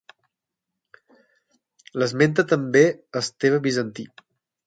L'esmenta també Esteve Bizantí.